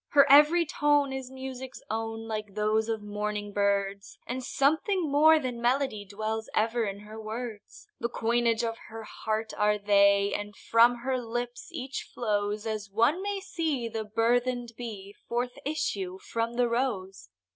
Her every tone is music's own, Like those of morning birds, And something more than melody Dwells ever in her words; The coinage of her heart are they, And from her lips each flows As one may see the burden'd bee Forth issue from the rose.